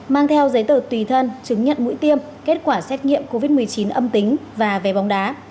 mang theo giấy tờ tùy thân chứng nhận mũi tiêm kết quả xét nghiệm covid một mươi chín âm tính và vé bóng đá